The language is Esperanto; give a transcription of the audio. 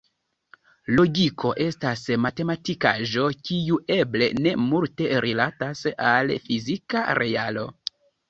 Logiko estas matematikaĵo, kiu eble ne multe rilatas al fizika realo.